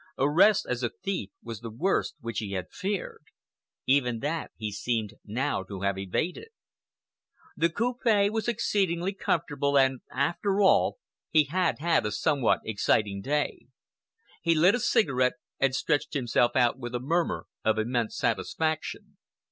Arrest as a thief was the worst which he had feared. Even that he seemed now to have evaded. The coupe was exceedingly comfortable and, after all, he had had a somewhat exciting day. He lit a cigarette and stretched himself out with a murmur of immense satisfaction.